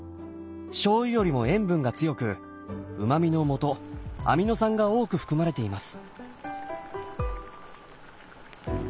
しょうゆよりも塩分が強くうまみのもとアミノ酸が多く含まれています。